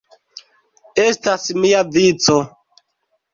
Estas mia vico!